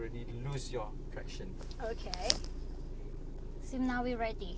โอเคแล้วเราพร้อมแล้ว